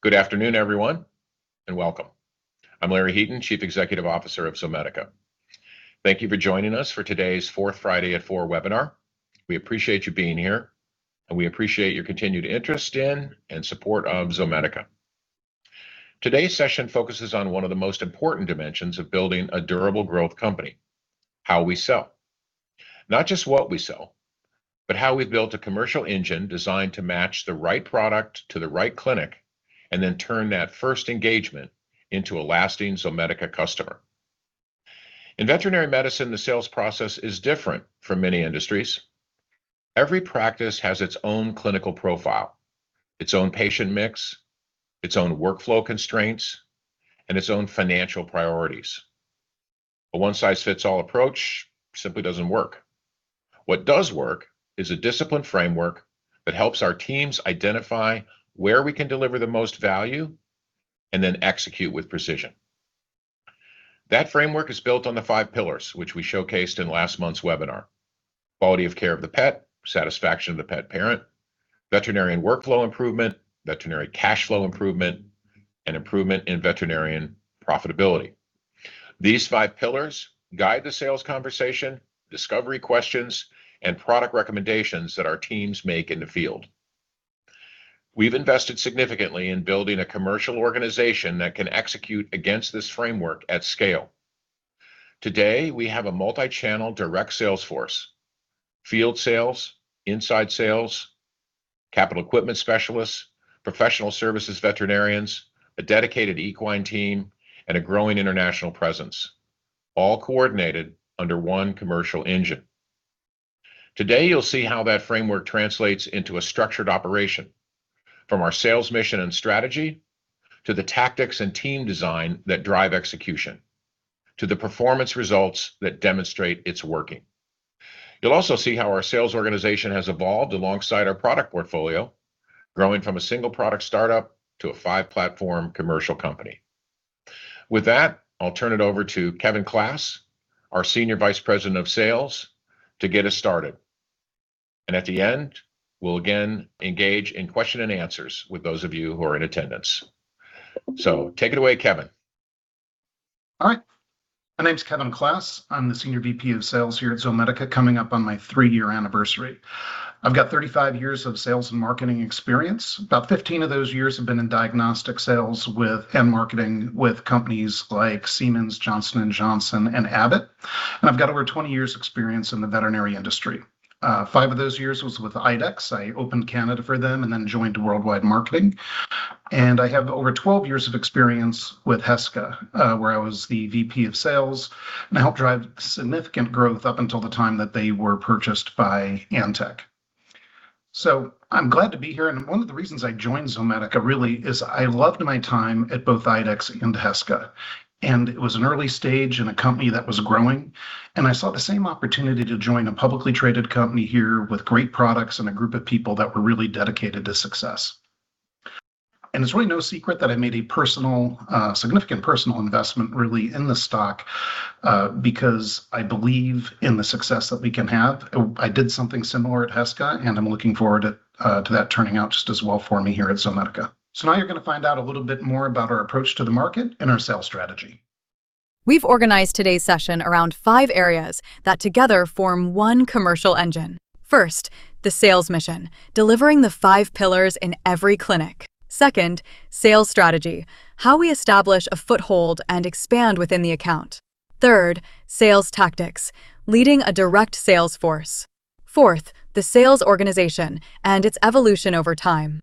Good afternoon, everyone, and welcome. I'm Larry Heaton, Chief Executive Officer of Zomedica. Thank you for joining us for today's Fourth Friday at 4:00 webinar. We appreciate you being here, and we appreciate your continued interest in and support of Zomedica. Today's session focuses on one of the most important dimensions of building a durable growth company: how we sell. Not just what we sell, but how we've built a commercial engine designed to match the right product to the right clinic, and then turn that first engagement into a lasting Zomedica customer. In veterinary medicine, the sales process is different from many industries. Every practice has its own clinical profile, its own patient mix, its own workflow constraints, and its own financial priorities. A one-size-fits-all approach simply doesn't work. What does work is a disciplined framework that helps our teams identify where we can deliver the most value and then execute with precision. That framework is built on the five pillars, which we showcased in last month's webinar: quality of care of the pet, satisfaction of the pet parent, veterinarian workflow improvement, veterinarian cash flow improvement, and improvement in veterinarian profitability. These five pillars guide the sales conversation, discovery questions, and product recommendations that our teams make in the field. We've invested significantly in building a commercial organization that can execute against this framework at scale. Today, we have a multi-channel direct sales force, field sales, inside sales, capital equipment specialists, Professional Services Veterinarians, a dedicated equine team, and a growing international presence, all coordinated under one commercial engine. Today, you'll see how that framework translates into a structured operation, from our sales mission and strategy to the tactics and team design that drive execution to the performance results that demonstrate it's working. You'll also see how our sales organization has evolved alongside our product portfolio, growing from a single-product startup to a five-platform commercial company. With that, I'll turn it over to Kevin Klass, our Senior Vice President of Sales, to get us started. At the end, we'll again engage in question and answers with those of you who are in attendance. Take it away, Kevin. All right. My name's Kevin Klass. I'm the Senior VP of Sales here at Zomedica, coming up on my three-year anniversary. I've got 35 years of sales and marketing experience. About 15 of those years have been in diagnostic sales and marketing with companies like Siemens, Johnson & Johnson, and Abbott. I've got over 20 years experience in the veterinary industry. Five of those years was with IDEXX. I opened Canada for them and then joined worldwide marketing. I have over 12 years of experience with Heska, where I was the VP of Sales, and I helped drive significant growth up until the time that they were purchased by Antech. I'm glad to be here. One of the reasons I joined Zomedica really is I loved my time at both IDEXX and Heska. It was an early stage in a company that was growing. I saw the same opportunity to join a publicly traded company here with great products and a group of people that were really dedicated to success. It's really no secret that I made a significant personal investment, really, in the stock because I believe in the success that we can have. I did something similar at Heska. I'm looking forward to that turning out just as well for me here at Zomedica. Now you're going to find out a little bit more about our approach to the market and our sales strategy. We've organized today's session around five areas that together form one commercial engine. First, the sales mission: delivering the five pillars in every clinic. Second, sales strategy: how we establish a foothold and expand within the account. Third, sales tactics: leading a direct sales force. Fourth, the sales organization and its evolution over time.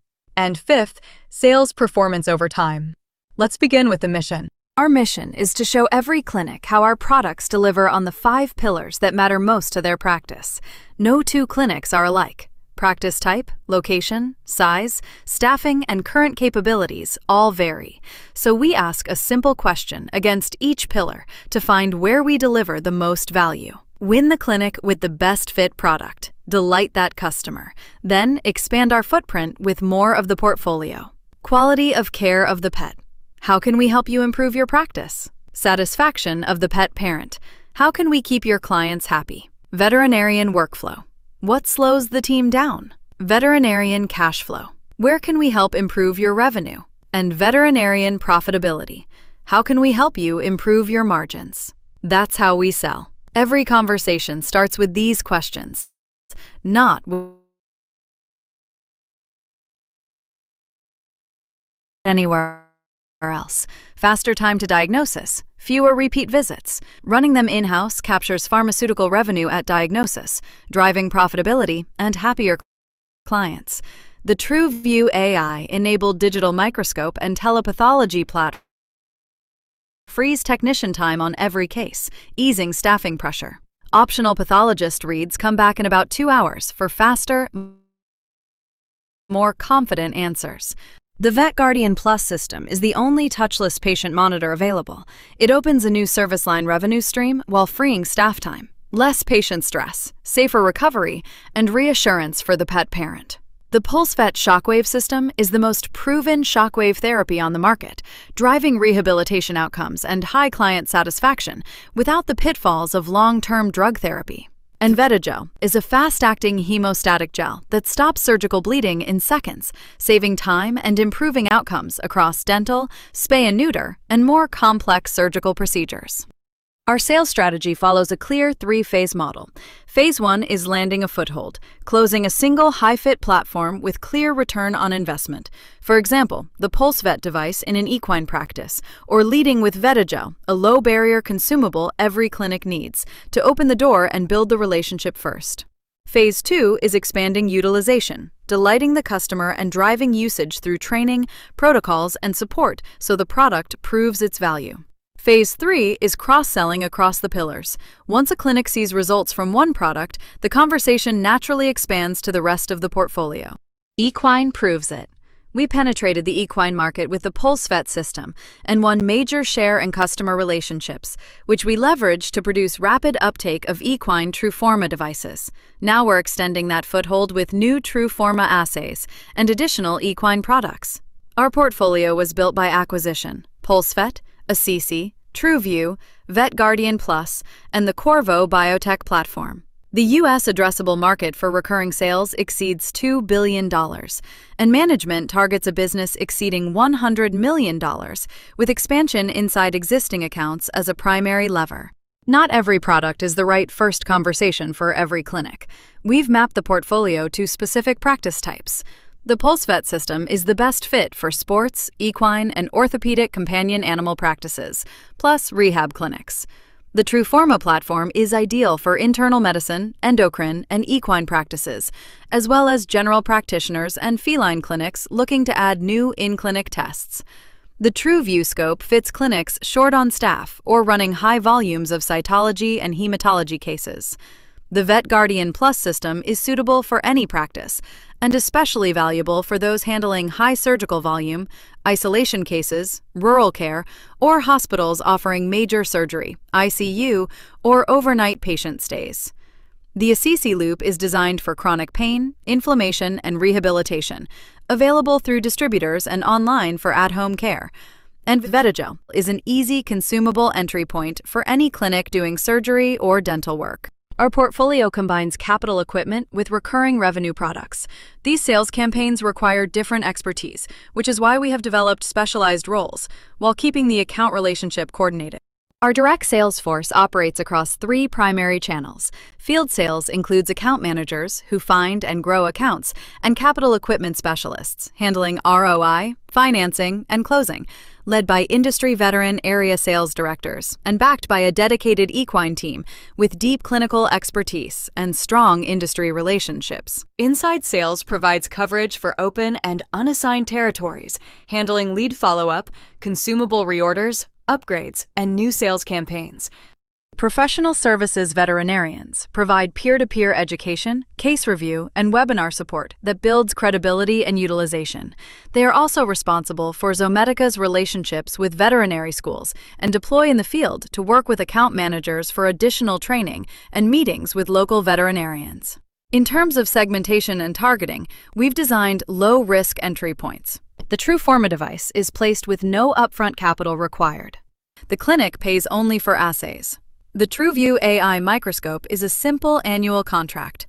Fifth, sales performance over time. Let's begin with the mission. Our mission is to show every clinic how our products deliver on the five pillars that matter most to their practice. No two clinics are alike. Practice type, location, size, staffing, and current capabilities all vary. We ask a simple question against each pillar to find where we deliver the most value. Win the clinic with the best fit product. Delight that customer. Expand our footprint with more of the portfolio. Quality of care of the pet. How can we help you improve your practice? Satisfaction of the pet parent. How can we keep your clients happy? Veterinarian workflow. What slows the team down? Veterinarian cash flow. Where can we help improve your revenue? Veterinarian profitability. How can we help you improve your margins? That's how we sell. Every conversation starts with these questions, not anywhere else. Faster time to diagnosis, fewer repeat visits. Running them in-house captures pharmaceutical revenue at diagnosis, driving profitability and happier clients. The TRUVIEW AI-enabled digital microscope and telepathology platform frees technician time on every case, easing staffing pressure. Optional pathologist reads come back in about two hours for faster, more confident answers. The VETGuardian PLUS system is the only touchless patient monitor available. It opens a new service line revenue stream while freeing staff time. Less patient stress, safer recovery, and reassurance for the pet parent. The PulseVet shockwave system is the most proven shockwave therapy on the market, driving rehabilitation outcomes and high client satisfaction without the pitfalls of long-term drug therapy. Vetigel is a fast-acting hemostatic gel that stops surgical bleeding in seconds, saving time and improving outcomes across dental, spay and neuter, and more complex surgical procedures. Our sales strategy follows a clear three-phase model. Phase one is landing a foothold, closing a single high-fit platform with clear return on investment. For example, the PulseVet device in an equine practice, or leading with Vetigel, a low-barrier consumable every clinic needs to open the door and build the relationship first. Phase two is expanding utilization, delighting the customer and driving usage through training, protocols, and support, so the product proves its value. Phase three is cross-selling across the pillars. Once a clinic sees results from one product, the conversation naturally expands to the rest of the portfolio. Equine proves it. We penetrated the equine market with the PulseVet System and won major share and customer relationships, which we leveraged to produce rapid uptake of equine TRUFORMA devices. Now we're extending that foothold with new TRUFORMA assays and additional equine products. Our portfolio was built by acquisition: PulseVet, Assisi, TRUVIEW, VETGuardian PLUS, and the Qorvo biotech platform. The U.S. addressable market for recurring sales exceeds $2 billion, and management targets a business exceeding $100 million with expansion inside existing accounts as a primary lever. Not every product is the right first conversation for every clinic. We've mapped the portfolio to specific practice types. The PulseVet System is the best fit for sports, equine, and orthopedic companion animal practices, plus rehab clinics. The TRUFORMA platform is ideal for internal medicine, endocrine, and equine practices, as well as general practitioners and feline clinics looking to add new in-clinic tests. The TRUVIEW scope fits clinics short on staff or running high volumes of cytology and hematology cases. The VETGuardian PLUS system is suitable for any practice and especially valuable for those handling high surgical volume, isolation cases, rural care, or hospitals offering major surgery, ICU, or overnight patient stays. The Assisi Loop is designed for chronic pain, inflammation, and rehabilitation, available through distributors and online for at-home care. VETIGEL is an easy consumable entry point for any clinic doing surgery or dental work. Our portfolio combines capital equipment with recurring revenue products. These sales campaigns require different expertise, which is why we have developed specialized roles while keeping the account relationship coordinated. Our direct sales force operates across three primary channels. Field sales includes account managers who find and grow accounts, and capital equipment specialists handling ROI, financing, and closing, led by industry veteran area sales directors and backed by a dedicated equine team with deep clinical expertise and strong industry relationships. Inside sales provides coverage for open and unassigned territories, handling lead follow-up, consumable reorders, upgrades, and new sales campaigns. Professional Services Veterinarians provide peer-to-peer education, case review, and webinar support that builds credibility and utilization. They are also responsible for Zomedica's relationships with veterinary schools and deploy in the field to work with account managers for additional training and meetings with local veterinarians. In terms of segmentation and targeting, we've designed low-risk entry points. The TRUFORMA device is placed with no upfront capital required. The clinic pays only for assays. The TRUVIEW AI microscope is a simple annual contract.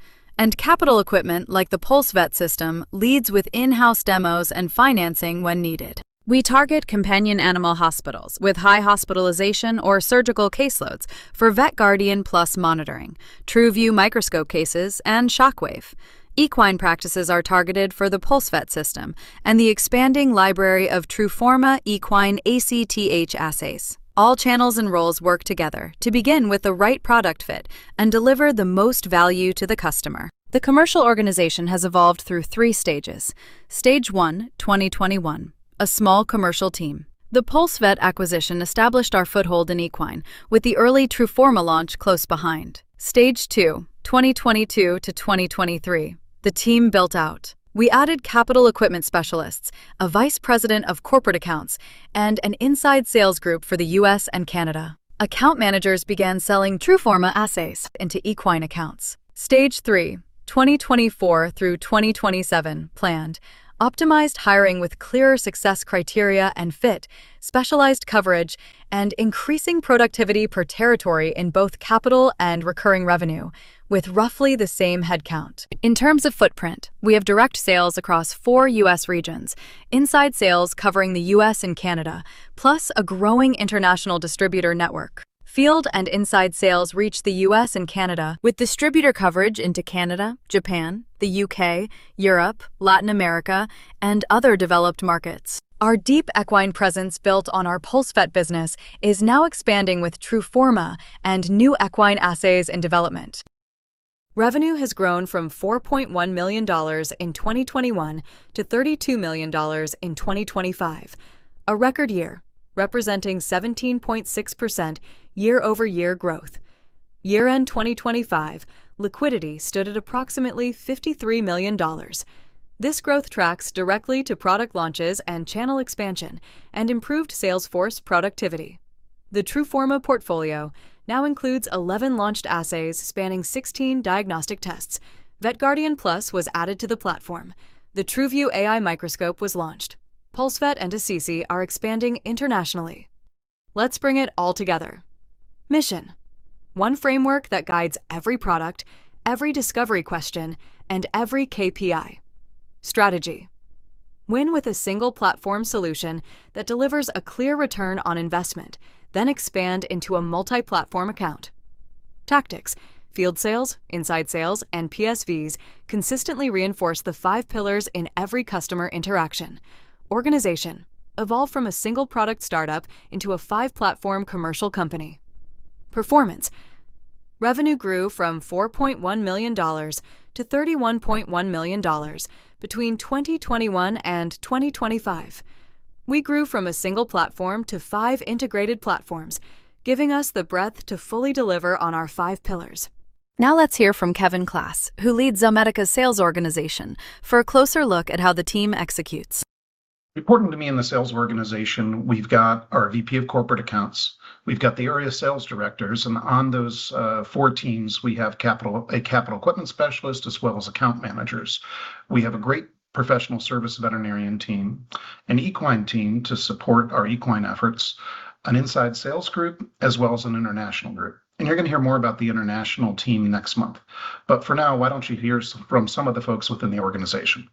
Capital equipment like the PulseVet System leads with in-house demos and financing when needed. We target companion animal hospitals with high hospitalization or surgical caseloads for VETGuardian PLUS monitoring, TRUVIEW microscope cases, and Shockwave. Equine practices are targeted for the PulseVet System and the expanding library of TRUFORMA equine ACTH assays. All channels and roles work together to begin with the right product fit and deliver the most value to the customer. The commercial organization has evolved through three stages. Stage one, 2021: a small commercial team. The PulseVet acquisition established our foothold in equine with the early TRUFORMA launch close behind. Stage two, 2022 to 2023: the team built out. We added capital equipment specialists, a Vice President of Corporate Accounts, and an inside sales group for the U.S. and Canada. Account managers began selling TRUFORMA assays into equine accounts. Stage three, 2024 through 2027 planned: optimized hiring with clearer success criteria and fit, specialized coverage, and increasing productivity per territory in both capital and recurring revenue with roughly the same headcount. In terms of footprint, we have direct sales across four U.S. regions, inside sales covering the U.S. and Canada, plus a growing international distributor network. Field and inside sales reach the U.S. and Canada with distributor coverage into Canada, Japan, the U.K., Europe, Latin America, and other developed markets. Our deep equine presence built on our PulseVet business is now expanding with TRUFORMA and new equine assays in development. Revenue has grown from $4.1 million in 2021 to $31.19 Million in 2025, a record year representing 17.6% year-over-year growth. Year-end 2025 liquidity stood at approximately $53 million. This growth tracks directly to product launches and channel expansion and improved sales force productivity. The TRUFORMA portfolio now includes 11 launched assays spanning 16 diagnostic tests. VETGuardian PLUS was added to the platform. The TRUVIEW AI microscope was launched. PulseVet and Assisi are expanding internationally. Let's bring it all together. Mission, one framework that guides every product, every discovery question, and every KPI. Strategy, win with a single platform solution that delivers a clear return on investment, then expand into a multi-platform account. Tactics, field sales, inside sales, and PSVs consistently reinforce the five pillars in every customer interaction. Organization, evolve from a single product startup into a five-platform commercial company. Performance, revenue grew from $4.1 million-$31.1 million between 2021 and 2025. We grew from a single platform to five integrated platforms, giving us the breadth to fully deliver on our five pillars. Now let's hear from Kevin Klass, who leads Zomedica's sales organization, for a closer look at how the team executes. Important to me in the sales organization, we've got our VP of corporate accounts, we've got the area sales directors, and on those four teams, we have a capital equipment specialist, as well as account managers. We have a great Professional Services Veterinarian team, an equine team to support our equine efforts, an inside sales group, as well as an international group, and you're going to hear more about the international team next month. But for now, why don't you hear from some of the folks within the organization?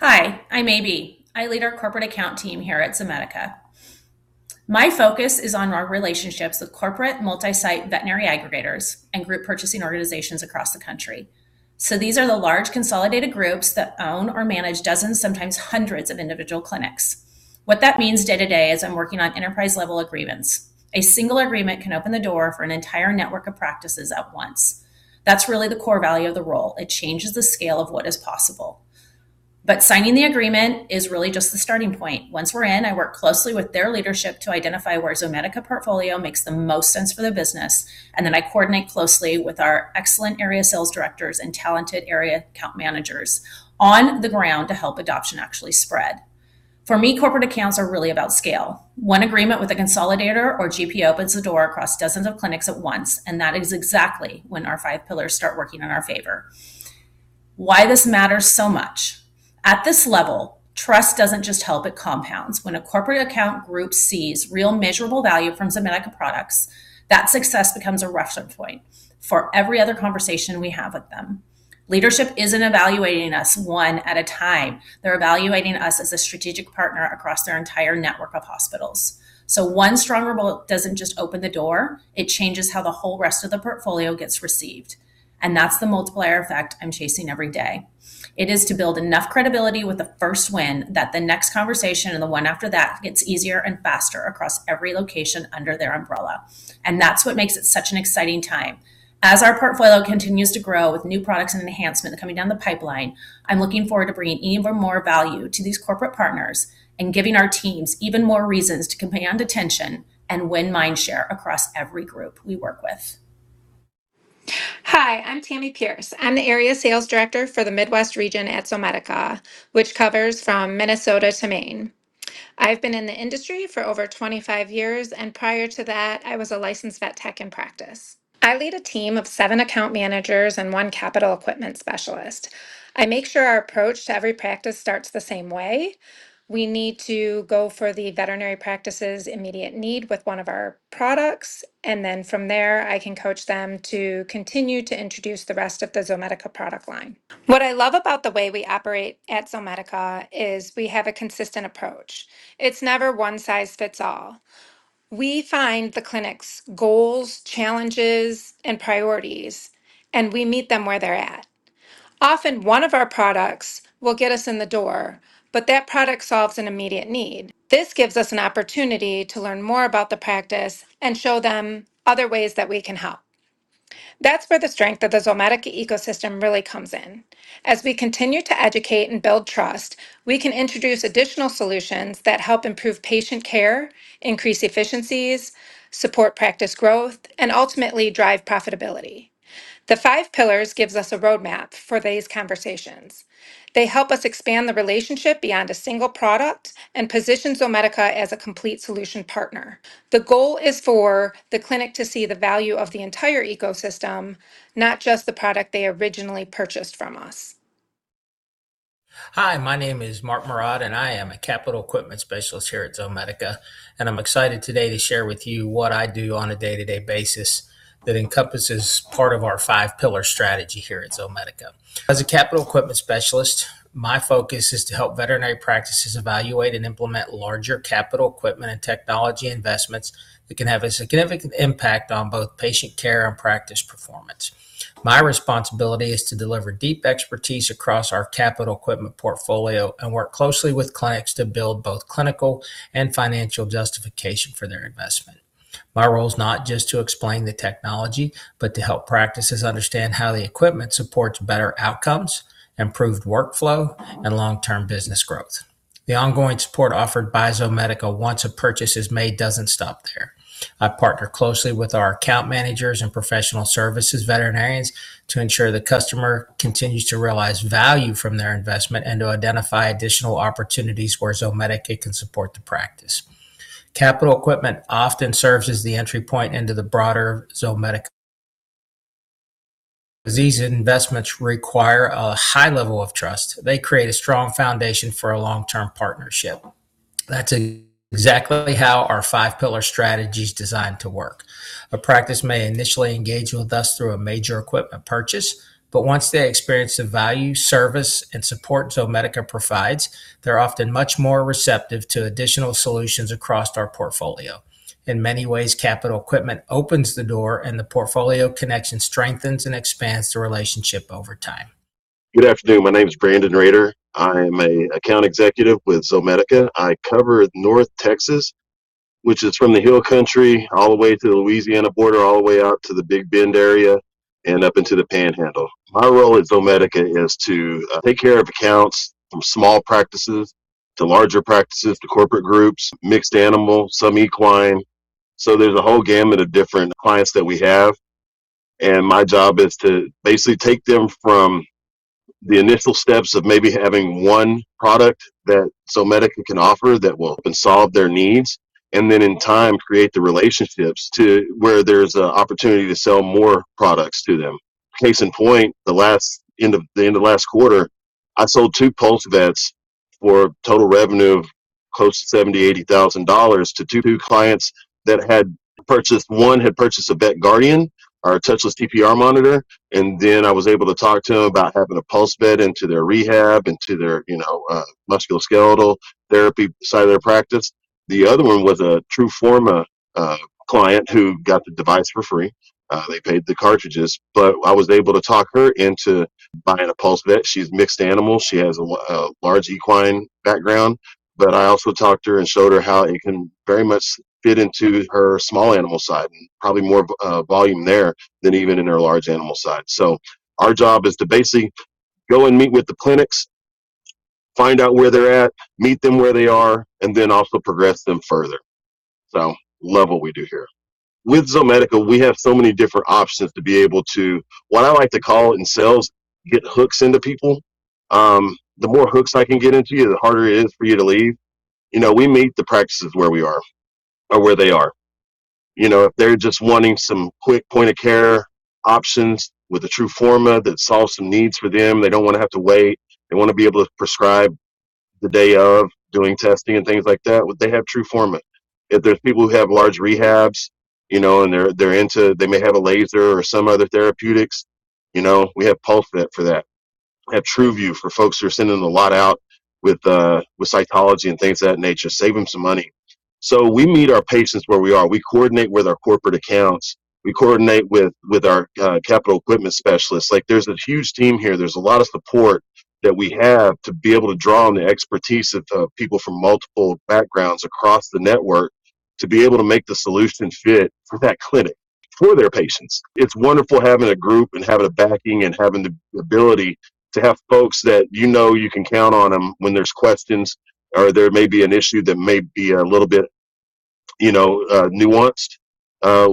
Hi, I'm A.B. I lead our corporate account team here at Zomedica. My focus is on our relationships with corporate multi-site veterinary aggregators and group purchasing organizations across the country. These are the large consolidated groups that own or manage dozens, sometimes hundreds of individual clinics. What that means day to day is I'm working on enterprise-level agreements. A single agreement can open the door for an entire network of practices at once. That's really the core value of the role. It changes the scale of what is possible. Signing the agreement is really just the starting point. Once we're in, I work closely with their leadership to identify where Zomedica portfolio makes the most sense for their business, and then I coordinate closely with our excellent area sales directors and talented area account managers on the ground to help adoption actually spread. For me, corporate accounts are really about scale. One agreement with a consolidator or GPO opens the door across dozens of clinics at once, and that is exactly when our five pillars start working in our favor. Why this matters so much? At this level, trust doesn't just help, it compounds. When a corporate account group sees real measurable value from Zomedica products, that success becomes a reference point for every other conversation we have with them. Leadership isn't evaluating us one at a time. They're evaluating us as a strategic partner across their entire network of hospitals. One strong remote doesn't just open the door, it changes how the whole rest of the portfolio gets received, and that's the multiplier effect I'm chasing every day. It is to build enough credibility with the first win that the next conversation and the one after that gets easier and faster across every location under their umbrella, and that's what makes it such an exciting time. As our portfolio continues to grow with new products and enhancements coming down the pipeline, I'm looking forward to bringing even more value to these corporate partners and giving our teams even more reasons to command attention and win mind share across every group we work with. Hi, I'm Tammy Pierce. I'm the Area Sales Director for the Midwest region at Zomedica, which covers from Minnesota to Maine. I've been in the industry for over 25 years, and prior to that, I was a licensed vet tech in practice. I lead a team of seven account managers and one capital equipment specialist. I make sure our approach to every practice starts the same way. We need to go for the veterinary practice's immediate need with one of our products, and then from there, I can coach them to continue to introduce the rest of the Zomedica product line. What I love about the way we operate at Zomedica is we have a consistent approach. It's never one size fits all. We find the clinic's goals, challenges, and priorities, and we meet them where they're at. Often, one of our products will get us in the door, but that product solves an immediate need. This gives us an opportunity to learn more about the practice and show them other ways that we can help. That's where the strength of the Zomedica ecosystem really comes in. As we continue to educate and build trust, we can introduce additional solutions that help improve patient care, increase efficiencies, support practice growth, and ultimately drive profitability. The five pillars give us a roadmap for these conversations. They help us expand the relationship beyond a single product and position Zomedica as a complete solution partner. The goal is for the clinic to see the value of the entire ecosystem, not just the product they originally purchased from us. Hi, my name is Mark Murad, and I am a Capital Equipment Specialist here at Zomedica. I'm excited today to share with you what I do on a day-to-day basis that encompasses part of our five-pillar strategy here at Zomedica. As a Capital Equipment Specialist, my focus is to help veterinary practices evaluate and implement larger capital equipment and technology investments that can have a significant impact on both patient care and practice performance. My responsibility is to deliver deep expertise across our capital equipment portfolio and work closely with clients to build both clinical and financial justification for their investment. My role is not just to explain the technology, but to help practices understand how the equipment supports better outcomes, improved workflow, and long-term business growth. The ongoing support offered by Zomedica once a purchase is made doesn't stop there. I partner closely with our Account Managers and Professional Services Veterinarians to ensure the customer continues to realize value from their investment and to identify additional opportunities where Zomedica can support the practice. Capital equipment often serves as the entry point into the broader Zomedica These investments require a high level of trust. They create a strong foundation for a long-term partnership. That's exactly how our five-pillar strategy's designed to work. A practice may initially engage with us through a major equipment purchase. Once they experience the value, service, and support Zomedica provides, they're often much more receptive to additional solutions across our portfolio. In many ways, capital equipment opens the door. The portfolio connection strengthens and expands the relationship over time. Good afternoon. My name is Brandon Rader. I am an Account Executive with Zomedica. I cover North Texas, which is from the hill country all the way to the Louisiana border, all the way out to the Big Bend area, and up into the Panhandle. My role at Zomedica is to take care of accounts from small practices to larger practices to corporate groups, mixed animal, some equine. There's a whole gamut of different clients that we have. My job is to basically take them from the initial steps of maybe having one product that Zomedica can offer that will help and solve their needs. In time, create the relationships to where there's an opportunity to sell more products to them. Case in point, the end of last quarter, I sold two PulseVets for a total revenue of close to $70,000-$80,000 to two clients that had purchased. One had purchased a VETGuardian, our touchless TPR monitor. Then I was able to talk to them about having a PulseVet into their rehab, into their musculoskeletal therapy side of their practice. The other one was a TRUFORMA client who got the device for free. They paid the cartridges. I was able to talk her into buying a PulseVet. She's mixed animal. She has a large equine background. I also talked to her and showed her how it can very much fit into her small animal side, and probably more volume there than even in her large animal side. Our job is to basically go and meet with the clinics, find out where they're at, meet them where they are, then also progress them further. Love what we do here. With Zomedica, we have so many different options to be able to, what I like to call it in sales, get hooks into people. The more hooks I can get into you, the harder it is for you to leave. We meet the practices where we are or where they are. If they're just wanting some quick point of care options with a TRUFORMA that solves some needs for them, they don't want to have to wait, they want to be able to prescribe the day of doing testing and things like that, they have TRUFORMA. If there's people who have large rehabs, and they may have a laser or some other therapeutics, we have PulseVet for that. We have TRUVIEW for folks who are sending a lot out with cytology and things of that nature, save them some money. We meet our patients where we are. We coordinate with our corporate accounts. We coordinate with our capital equipment specialists. There's a huge team here. There's a lot of support that we have to be able to draw on the expertise of people from multiple backgrounds across the network to be able to make the solution fit for that clinic, for their patients. It's wonderful having a group and having the backing and having the ability to have folks that you know you can count on them when there's questions or there may be an issue that may be a little bit nuanced.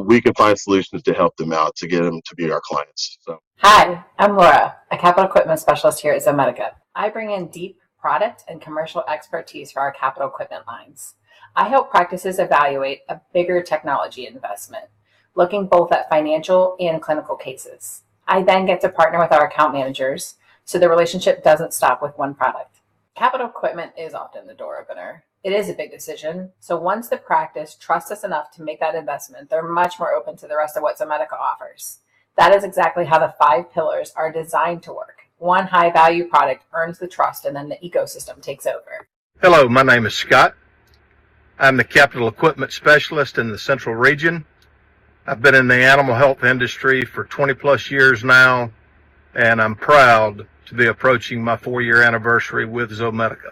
We can find solutions to help them out to get them to be our clients. Hi, I'm Laura, a capital equipment specialist here at Zomedica. I bring in deep product and commercial expertise for our capital equipment lines. I help practices evaluate a bigger technology investment, looking both at financial and clinical cases. I then get to partner with our account managers so the relationship doesn't stop with one product. Capital equipment is often the door opener. It is a big decision, so once the practice trusts us enough to make that investment, they're much more open to the rest of what Zomedica offers. That is exactly how the five pillars are designed to work. One high-value product earns the trust, and then the ecosystem takes over. Hello. My name is Scott. I'm the capital equipment specialist in the central region. I've been in the animal health industry for 20+ years now, and I'm proud to be approaching my four-year anniversary with Zomedica.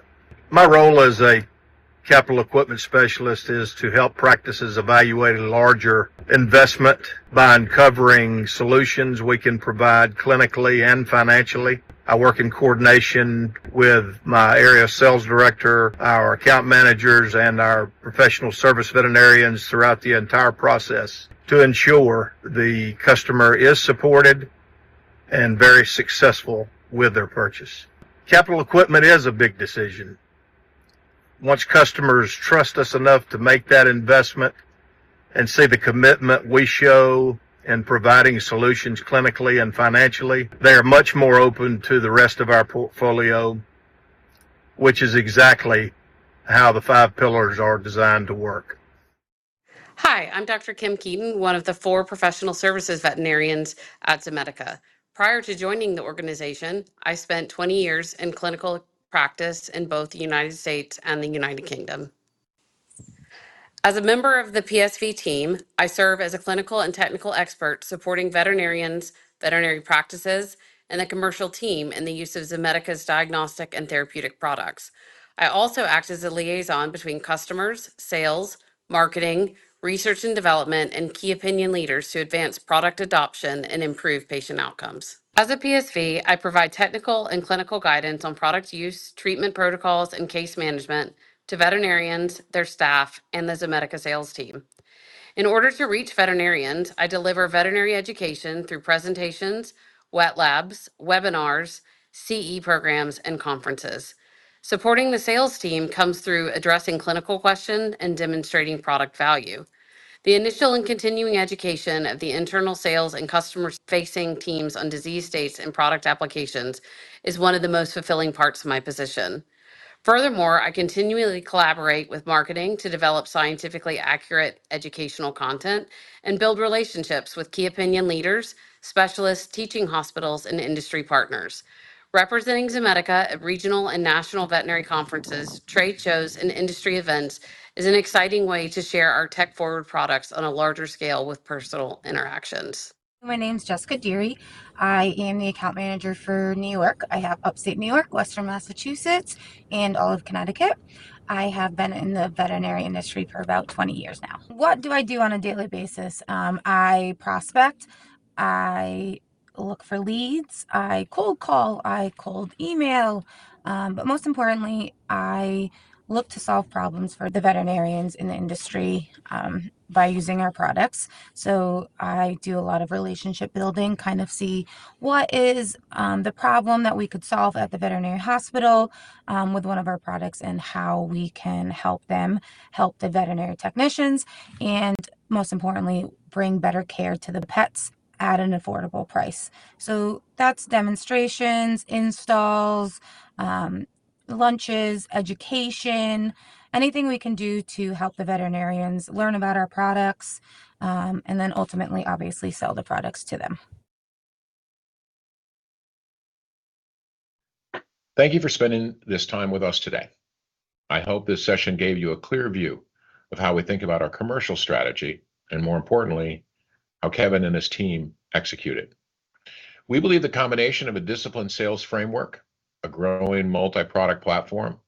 My role as a capital equipment specialist is to help practices evaluate a larger investment by uncovering solutions we can provide clinically and financially. I work in coordination with my area sales director, our account managers, and our Professional Services Veterinarians throughout the entire process to ensure the customer is supported and very successful with their purchase. Capital equipment is a big decision. Once customers trust us enough to make that investment and see the commitment we show in providing solutions clinically and financially, they are much more open to the rest of our portfolio, which is exactly how the five pillars are designed to work. Hi, I'm Dr. Kim Keeton, one of the four Professional Services Veterinarians at Zomedica. Prior to joining the organization, I spent 20 years in clinical practice in both the U.S. and the U.K. As a member of the PSV team, I serve as a clinical and technical expert supporting veterinarians, veterinary practices, and the commercial team in the use of Zomedica's diagnostic and therapeutic products. I also act as a liaison between customers, sales, marketing, research and development, and key opinion leaders to advance product adoption and improve patient outcomes. As a PSV, I provide technical and clinical guidance on product use, treatment protocols, and case management to veterinarians, their staff, and the Zomedica sales team. In order to reach veterinarians, I deliver veterinary education through presentations, wet labs, webinars, CE programs, and conferences. Supporting the sales team comes through addressing clinical questions and demonstrating product value. The initial and continuing education of the internal sales and customer-facing teams on disease states and product applications is one of the most fulfilling parts of my position. Furthermore, I continually collaborate with marketing to develop scientifically accurate educational content and build relationships with key opinion leaders, specialists, teaching hospitals, and industry partners. Representing Zomedica at regional and national veterinary conferences, trade shows, and industry events is an exciting way to share our tech-forward products on a larger scale with personal interactions. My name's Jessica Deery. I am the Account Manager for New York. I have Upstate New York, Western Massachusetts, and all of Connecticut. I have been in the veterinary industry for about 20 years now. What do I do on a daily basis? I prospect. I look for leads. I cold call. I cold email. Most importantly, I look to solve problems for the veterinarians in the industry by using our products. I do a lot of relationship building, kind of see what is the problem that we could solve at the veterinary hospital with one of our products, and how we can help them help the veterinary technicians and, most importantly, bring better care to the pets at an affordable price. That's demonstrations, installs, lunches, education, anything we can do to help the veterinarians learn about our products, and then ultimately, obviously, sell the products to them. Thank you for spending this time with us today. I hope this session gave you a clear view of how we think about our commercial strategy and, more importantly, how Kevin and his team execute it. We believe the combination of a disciplined sales framework, a growing multi-product platform,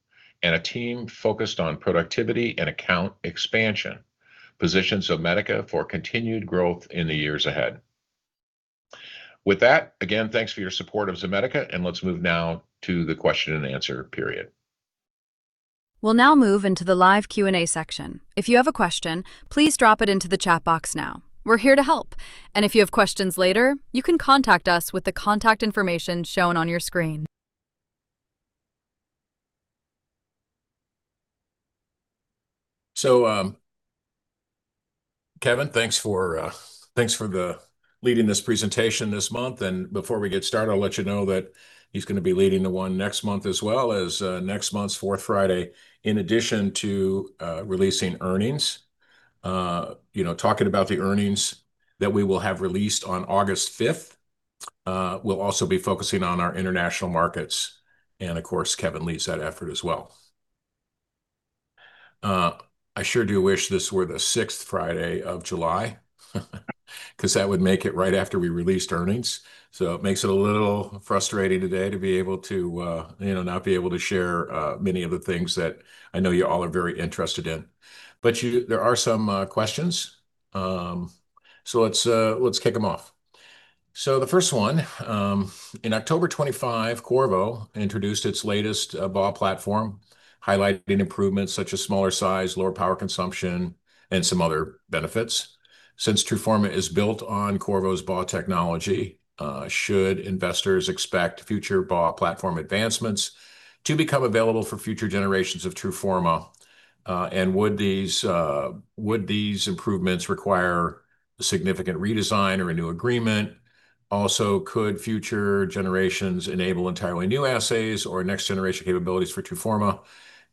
and a team focused on productivity and account expansion positions Zomedica for continued growth in the years ahead. With that, again, thanks for your support of Zomedica, and let's move now to the question and answer period. We'll now move into the live Q&A section. If you have a question, please drop it into the chat box now. We're here to help. If you have questions later, you can contact us with the contact information shown on your screen. Kevin, thanks for leading this presentation this month. Before we get started, I'll let you know that he's going to be leading the one next month as well, as next month's fourth Friday. In addition to releasing earnings, talking about the earnings that we will have released on August fifth, we'll also be focusing on our international markets, and of course, Kevin leads that effort as well. I sure do wish this were the sixth Friday of July because that would make it right after we released earnings. It makes it a little frustrating today to not be able to share many of the things that I know you all are very interested in. There are some questions. Let's kick them off. The first one. In October 25, Qorvo introduced its latest BAW platform, highlighting improvements such as smaller size, lower power consumption, and some other benefits. Since TRUFORMA is built on Qorvo's BAW technology, should investors expect future BAW platform advancements to become available for future generations of TRUFORMA? Would these improvements require a significant redesign or a new agreement? Could future generations enable entirely new assays or next-generation capabilities for TRUFORMA?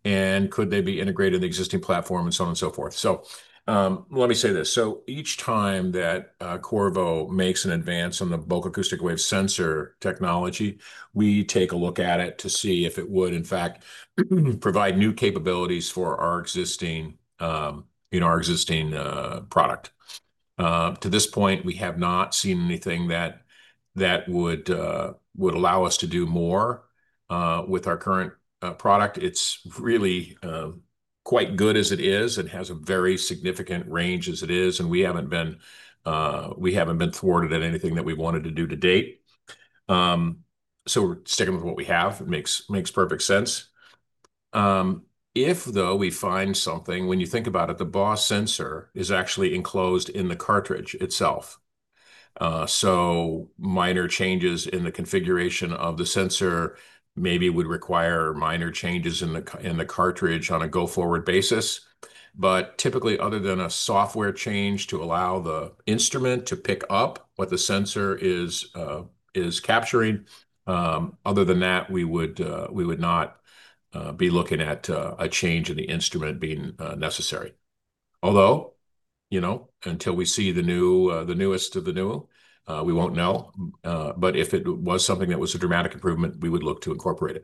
Could they be integrated in the existing platform and so on and so forth? Let me say this. Each time that Qorvo makes an advance on the Bulk Acoustic Wave sensor technology, we take a look at it to see if it would, in fact, provide new capabilities for our existing product. To this point, we have not seen anything that would allow us to do more with our current product. It's really quite good as it is and has a very significant range as it is, and we haven't been thwarted at anything that we wanted to do to date. We're sticking with what we have. It makes perfect sense. If, though, we find something, when you think about it, the BAW sensor is actually enclosed in the cartridge itself. Minor changes in the configuration of the sensor maybe would require minor changes in the cartridge on a go-forward basis. Typically, other than a software change to allow the instrument to pick up what the sensor is capturing, other than that, we would not be looking at a change in the instrument being necessary. Until we see the newest of the new, we won't know. If it was something that was a dramatic improvement, we would look to incorporate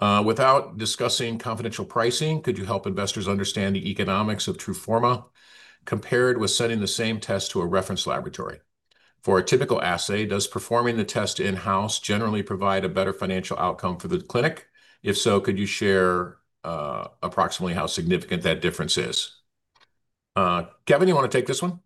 it. Without discussing confidential pricing, could you help investors understand the economics of TRUFORMA compared with sending the same test to a reference laboratory? For a typical assay, does performing the test in-house generally provide a better financial outcome for the clinic? If so, could you share approximately how significant that difference is? Kevin, you want to take this one?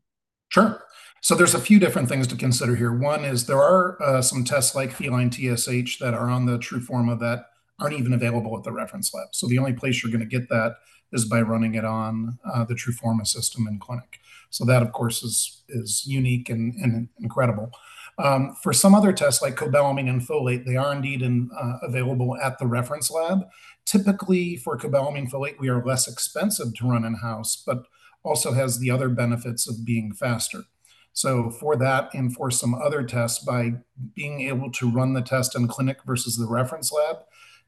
Sure. There's a few different things to consider here. One is there are some tests like feline TSH that are on the TRUFORMA that aren't even available at the reference lab. The only place you're going to get that is by running it on the TRUFORMA system in-clinic. That, of course, is unique and incredible. For some other tests like cobalamin and folate, they are indeed available at the reference lab. Typically, for cobalamin and folate, we are less expensive to run in-house, but also has the other benefits of being faster. For that and for some other tests, by being able to run the test in-clinic versus the reference lab,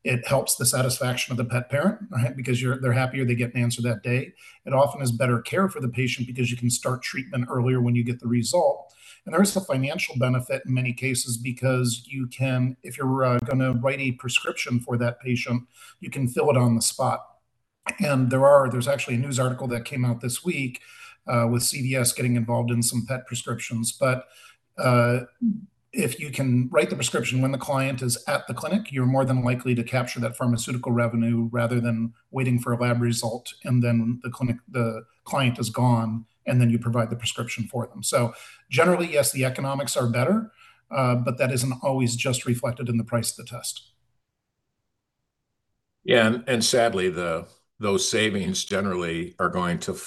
it helps the satisfaction of the pet parent. Because they're happier, they get an answer that day. It often is better care for the patient because you can start treatment earlier when you get the result. There is a financial benefit in many cases because you can, if you're going to write a prescription for that patient, you can fill it on the spot. There's actually a news article that came out this week with CVS getting involved in some pet prescriptions. If you can write the prescription when the client is at the clinic, you're more than likely to capture that pharmaceutical revenue rather than waiting for a lab result and then the client is gone, and then you provide the prescription for them. Generally, yes, the economics are better, but that isn't always just reflected in the price of the test. Yeah. Sadly, those savings generally are going to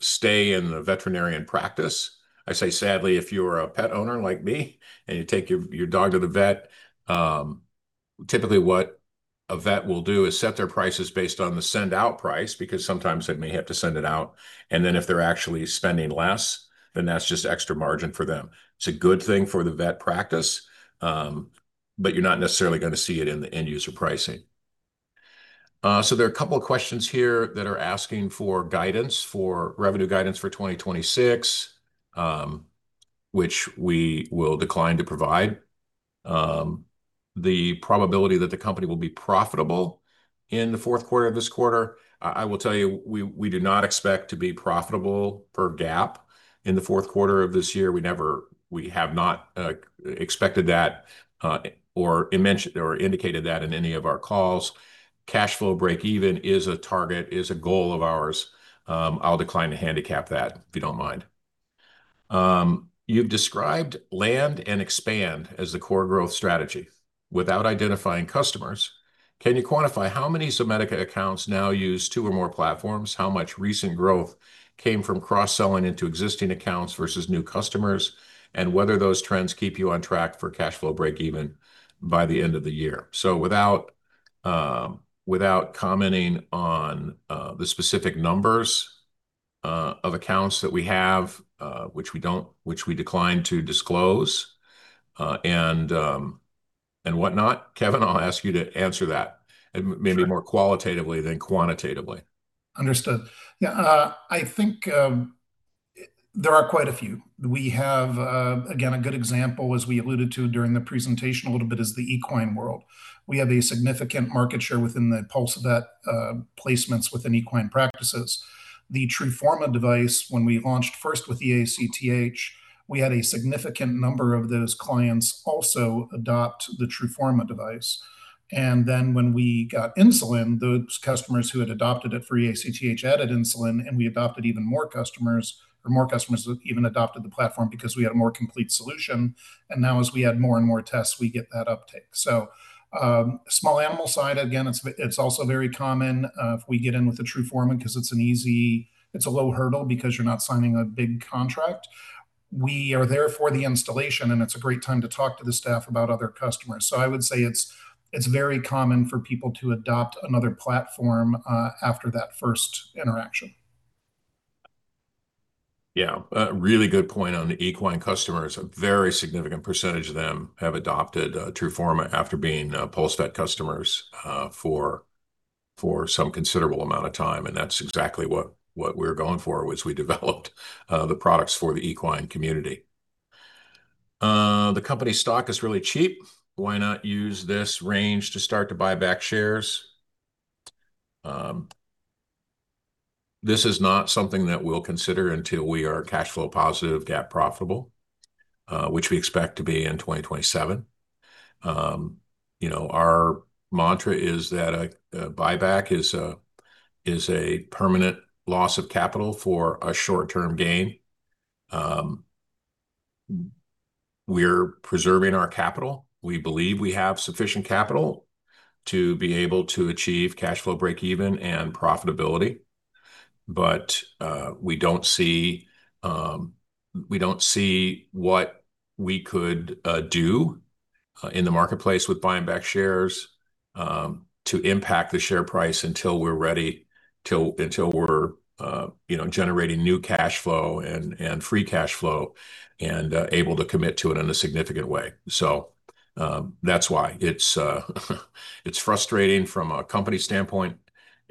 stay in the veterinarian practice. I say sadly, if you are a pet owner like me and you take your dog to the vet, typically what a vet will do is set their prices based on the send-out price, because sometimes they may have to send it out, and then if they're actually spending less, then that's just extra margin for them. It's a good thing for the vet practice, but you're not necessarily going to see it in the end-user pricing. There are a couple of questions here that are asking for revenue guidance for 2026, which we will decline to provide. The probability that the company will be profitable in the fourth quarter of this quarter, I will tell you, we do not expect to be profitable per GAAP in the fourth quarter of this year. We have not expected that or indicated that in any of our calls. Cash flow breakeven is a target, is a goal of ours. I'll decline to handicap that, if you don't mind. "You've described land and expand as the core growth strategy. Without identifying customers, can you quantify how many Zomedica accounts now use two or more platforms, how much recent growth came from cross-selling into existing accounts versus new customers, and whether those trends keep you on track for cash flow breakeven by the end of the year?" Without commenting on the specific numbers of accounts that we have which we decline to disclose and whatnot, Kevin, I'll ask you to answer that maybe more qualitatively than quantitatively. Understood. I think there are quite a few. We have, again, a good example, as we alluded to during the presentation a little bit, is the equine world. We have a significant market share within the PulseVet placements within equine practices. The TRUFORMA device, when we launched first with eACTH, we had a significant number of those clients also adopt the TRUFORMA device. When we got insulin, those customers who had adopted it for eACTH added insulin, we adopted even more customers, or more customers even adopted the platform because we had a more complete solution. As we add more and more tests, we get that uptake. Small animal side, again, it's also very common if we get in with the TRUFORMA because it's a low hurdle because you're not signing a big contract. We are there for the installation, it's a great time to talk to the staff about other customers. I would say it's very common for people to adopt another platform after that first interaction. A really good point on the equine customers. A very significant percentage of them have adopted TRUFORMA after being PulseVet customers for some considerable amount of time, that's exactly what we were going for as we developed the products for the equine community. "The company stock is really cheap. Why not use this range to start to buy back shares?" This is not something that we'll consider until we are cash flow positive, GAAP profitable, which we expect to be in 2027. Our mantra is that a buyback is a permanent loss of capital for a short-term gain. We're preserving our capital. We believe we have sufficient capital to be able to achieve cash flow breakeven and profitability. We don't see what we could do in the marketplace with buying back shares to impact the share price until we're ready, until we're generating new cash flow and free cash flow, able to commit to it in a significant way. That's why. It's frustrating from a company standpoint.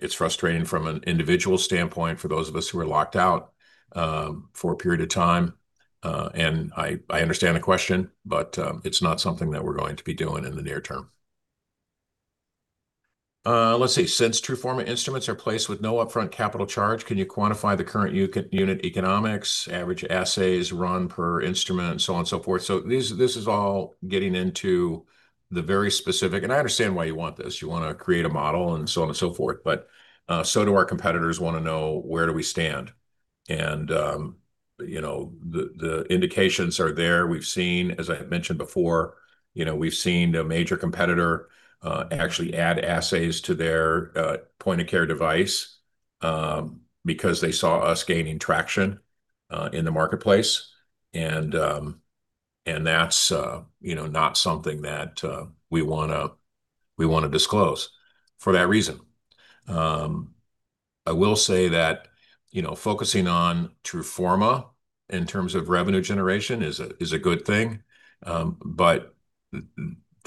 It's frustrating from an individual standpoint for those of us who are locked out for a period of time. I understand the question, it's not something that we're going to be doing in the near term. Let's see. "Since TRUFORMA instruments are placed with no upfront capital charge, can you quantify the current unit economics, average assays run per instrument," so on and so forth. This is all getting into the very specific. I understand why you want this. You want to create a model and so on and so forth, so do our competitors want to know where do we stand. The indications are there. As I had mentioned before, we've seen a major competitor actually add assays to their point-of-care device because they saw us gaining traction in the marketplace, and that's not something that we want to disclose for that reason. I will say that focusing on TRUFORMA in terms of revenue generation is a good thing.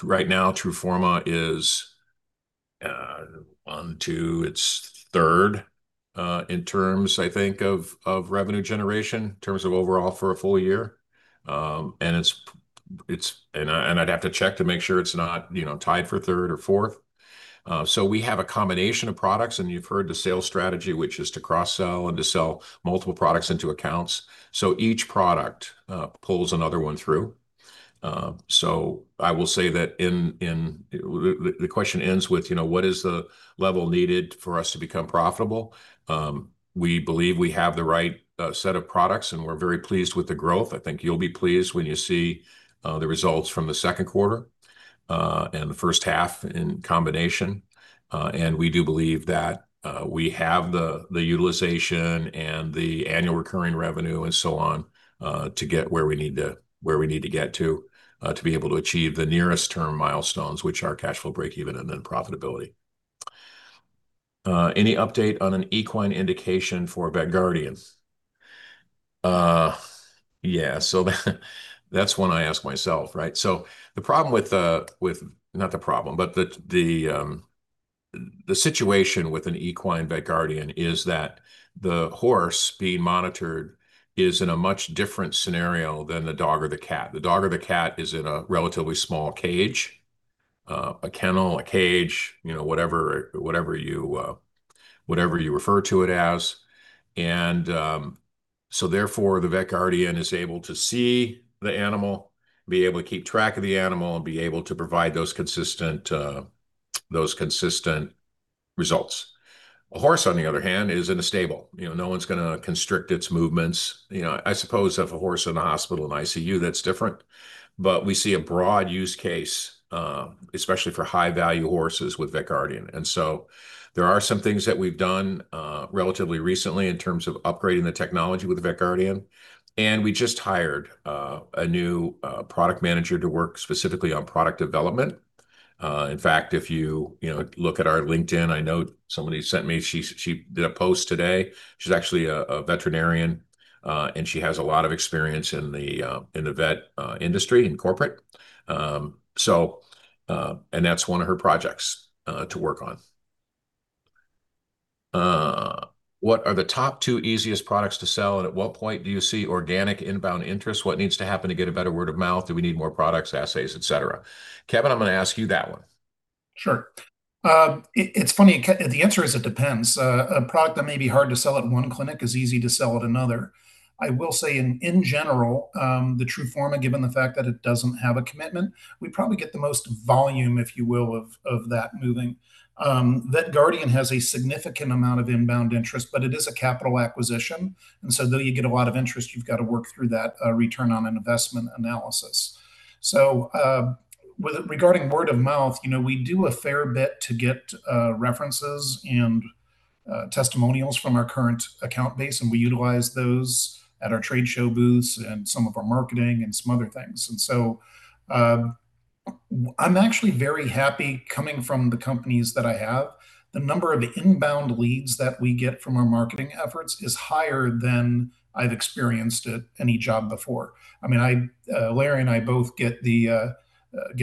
Right now, TRUFORMA is on to its third in terms, I think, of revenue generation, in terms of overall for a full year. I'd have to check to make sure it's not tied for third or fourth. We have a combination of products, and you've heard the sales strategy, which is to cross-sell and to sell multiple products into accounts. Each product pulls another one through. I will say that the question ends with, what is the level needed for us to become profitable? We believe we have the right set of products, and we're very pleased with the growth. I think you'll be pleased when you see the results from the second quarter and the first half in combination. We do believe that we have the utilization and the annual recurring revenue and so on, to get where we need to get to to be able to achieve the nearest term milestones, which are cash flow break even and then profitability. "Any update on an equine indication for VetGuardian?" Yeah. That's one I ask myself, right? The situation with an equine VetGuardian is that the horse being monitored is in a much different scenario than the dog or the cat. The dog or the cat is in a relatively small cage, a kennel, a cage, whatever you refer to it as. Therefore, the VetGuardian is able to see the animal, be able to keep track of the animal, and be able to provide those consistent results. A horse, on the other hand, is in a stable. No one's going to constrict its movements. I suppose if a horse in the hospital in ICU, that's different. We see a broad use case, especially for high-value horses, with VetGuardian. There are some things that we've done relatively recently in terms of upgrading the technology with VetGuardian, and we just hired a new product manager to work specifically on product development. In fact, if you look at our LinkedIn, I know somebody sent me, she did a post today. She's actually a veterinarian, and she has a lot of experience in the vet industry, in corporate. That's one of her projects to work on. "What are the top two easiest products to sell, and at what point do you see organic inbound interest? What needs to happen to get a better word of mouth? Do we need more products, assays, et cetera?" Kevin, I'm going to ask you that one. Sure. It's funny. The answer is it depends. A product that may be hard to sell at one clinic is easy to sell at another. I will say in general, the TRUFORMA, given the fact that it doesn't have a commitment, we probably get the most volume, if you will, of that moving. VETGuardian has a significant amount of inbound interest, but it is a capital acquisition, though you get a lot of interest, you've got to work through that return on an investment analysis. Regarding word of mouth, we do a fair bit to get references and testimonials from our current account base, and we utilize those at our trade show booths and some of our marketing and some other things. I'm actually very happy coming from the companies that I have. The number of inbound leads that we get from our marketing efforts is higher than I've experienced at any job before. Larry and I both get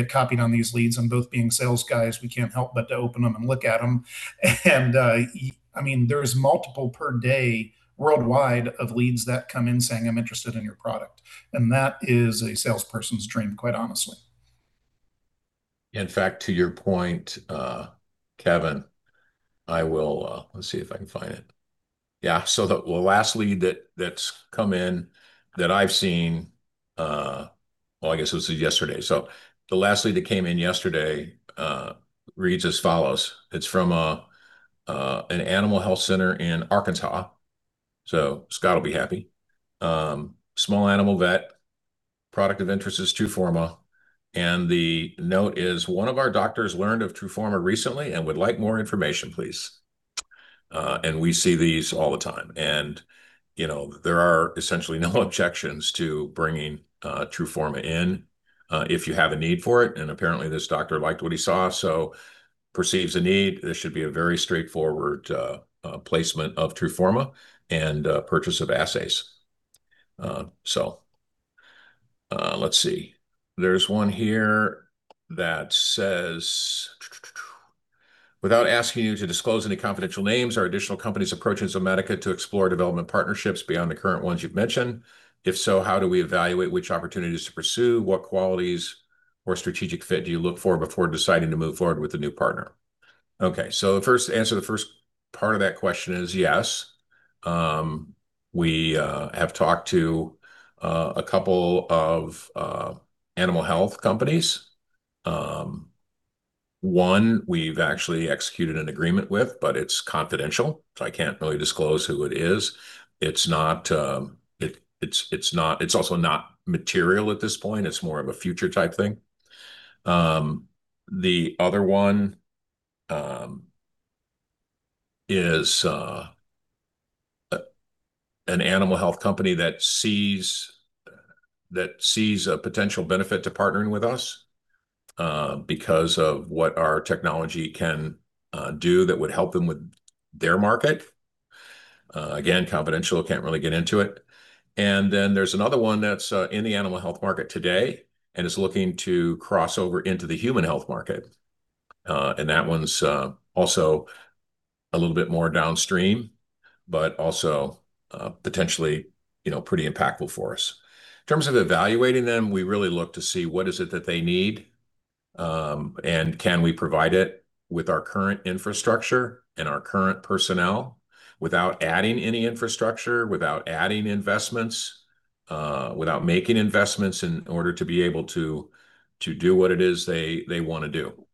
copied on these leads, and both being sales guys, we can't help but to open them and look at them. There's multiple per day worldwide of leads that come in saying, "I'm interested in your product." That is a salesperson's dream, quite honestly. In fact, to your point, Kevin, let's see if I can find it. Yeah. The last lead that's come in that I've seen, well, I guess this was yesterday. The last lead that came in yesterday reads as follows. It's from an animal health center in Arkansas, Scott will be happy. Small animal vet. Product of interest is TRUFORMA, and the note is, "One of our doctors learned of TRUFORMA recently and would like more information, please." We see these all the time. There are essentially no objections to bringing TRUFORMA in if you have a need for it, and apparently, this doctor liked what he saw, so perceives a need. This should be a very straightforward placement of TRUFORMA and purchase of assays. Let's see. There's one here that says, "Without asking you to disclose any confidential names, are additional companies approaching Zomedica to explore development partnerships beyond the current ones you've mentioned? If so, how do we evaluate which opportunities to pursue? What qualities or strategic fit do you look for before deciding to move forward with a new partner?" The answer to the first part of that question is yes. We have talked to a couple of animal health companies. One we've actually executed an agreement with, but it's confidential, so I can't really disclose who it is. It's also not material at this point. It's more of a future type thing. The other one is an animal health company that sees a potential benefit to partnering with us because of what our technology can do that would help them with their market. Again, confidential, can't really get into it. There's another one that's in the animal health market today and is looking to cross over into the human health market. That one's also a little bit more downstream, but also potentially pretty impactful for us. In terms of evaluating them, we really look to see what is it that they need, and can we provide it with our current infrastructure and our current personnel without adding any infrastructure, without adding investments, without making investments in order to be able to do what it is they want to do.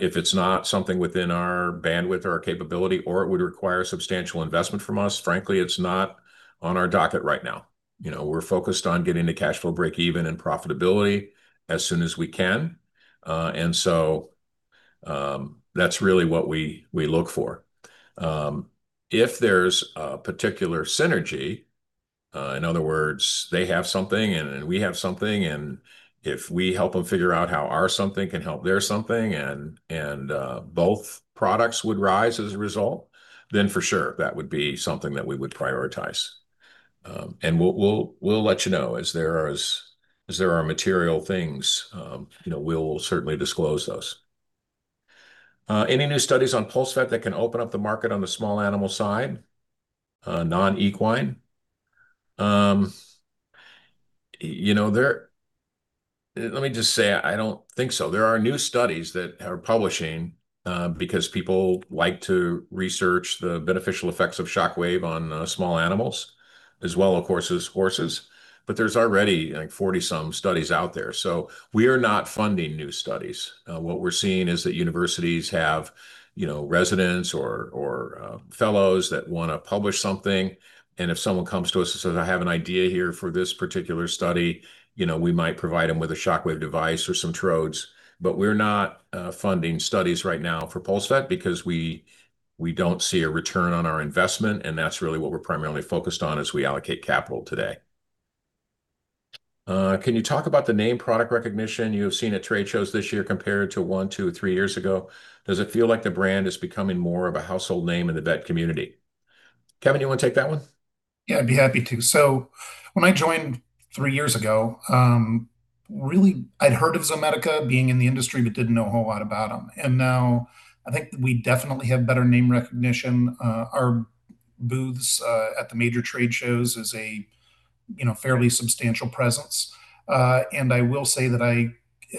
If it's not something within our bandwidth or our capability or it would require substantial investment from us, frankly, it's not on our docket right now. We're focused on getting to cash flow breakeven and profitability as soon as we can. That's really what we look for. If there's a particular synergy, in other words, they have something and we have something, and if we help them figure out how our something can help their something and both products would rise as a result, then for sure, that would be something that we would prioritize. We'll let you know. As there are material things, we'll certainly disclose those. "Any new studies on PulseVet that can open up the market on the small animal side, non-equine?" Let me just say, I don't think so. There are new studies that are publishing because people like to research the beneficial effects of shockwave on small animals as well, of course, as horses. There's already 40 some studies out there. We are not funding new studies. What we're seeing is that universities have residents or fellows that want to publish something. If someone comes to us and says, "I have an idea here for this particular study," we might provide them with a shockwave device or some trodes. We're not funding studies right now for PulseVet because we don't see a return on our investment, and that's really what we're primarily focused on as we allocate capital today. "Can you talk about the name product recognition you have seen at trade shows this year compared to one, two, or three years ago? Does it feel like the brand is becoming more of a household name in the vet community?" Kevin, you want to take that one? Yeah, I'd be happy to. When I joined three years ago, really I'd heard of Zomedica being in the industry but didn't know a whole lot about them. Now I think that we definitely have better name recognition. Our booths at the major trade shows is a fairly substantial presence. I will say that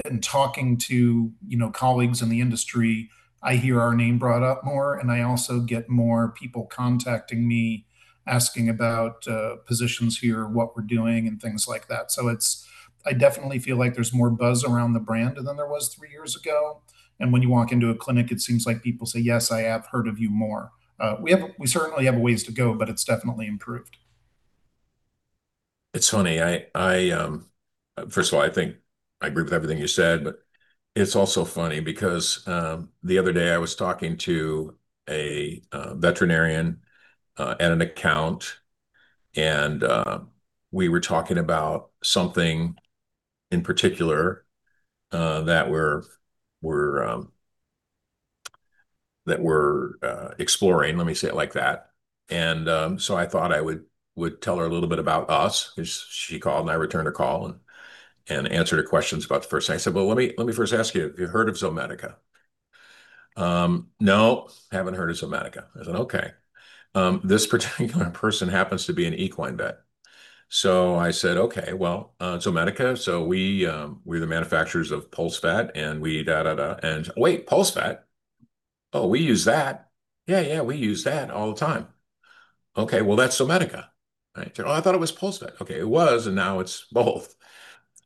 in talking to colleagues in the industry, I hear our name brought up more and I also get more people contacting me asking about positions here, what we're doing, and things like that. I definitely feel like there's more buzz around the brand than there was three years ago. When you walk into a clinic, it seems like people say, "Yes, I have heard of you" more. We certainly have a ways to go, but it's definitely improved. It's funny. First of all, I think I agree with everything you said, but it's also funny because the other day I was talking to a veterinarian at an account and we were talking about something in particular that we're exploring. Let me say it like that. I thought I would tell her a little bit about us because she called and I returned her call and answered her questions about the first thing. I said, "Well, let me first ask you if you've heard of Zomedica." "No, haven't heard of Zomedica." I said, "Okay." This particular person happens to be an equine vet. I said, "Okay. Well, Zomedica, so we're the manufacturers of PulseVet and we da, da." "Wait, PulseVet? Oh, we use that. Yeah, yeah, we use that all the time." "Okay. Well, that's Zomedica," right? She said, "Oh, I thought it was PulseVet." Okay. It was, and now it's both.